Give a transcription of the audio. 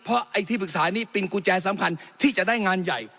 เพราะไอ้ที่ปรึกษานี้เป็นกุญแจสำคัญที่จะได้งานใหญ่